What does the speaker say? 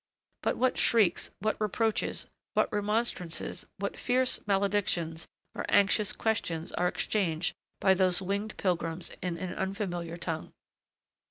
But what shrieks, what reproaches, what remonstrances, what fierce maledictions or anxious questions are exchanged by those winged pilgrims in an unfamiliar tongue!